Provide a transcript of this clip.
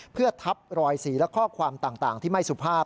เพื่อทับรอยสีและข้อความต่างที่ไม่สุภาพ